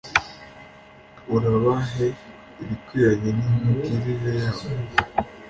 Urabahe ibikwiranye n’imigirire yabo